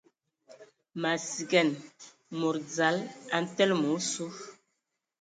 Ma sigan mod dzal a tele ma osu.